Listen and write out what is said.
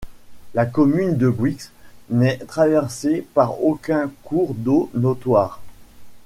La commune de Bouix n'est traversée par aucun cours d'eau notoire.